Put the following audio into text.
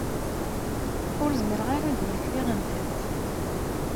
Ur zmireɣ ara ad d-mmektiɣ anta-tt.